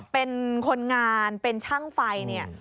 เป็นคนงานเป็นช่างไฟ